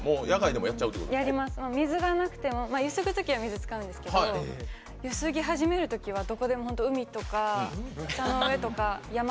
もう水がなくてもゆすぐ時は水使うんですけどゆすぎ始める時はどこでも本当海とか草の上とか山とかどこでも。